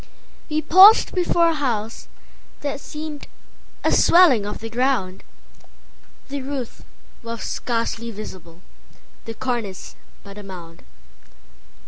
We paused before a house that seemedA swelling of the ground; The roof was scarcely visible, The cornice but a mound.